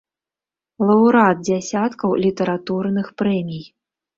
Лаўрэат дзясяткаў літаратурных прэмій.